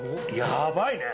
やばいね。